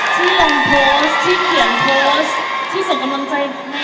ที่ลงโพสต์ที่เขียนโพสต์ที่ส่งกำลังใจมา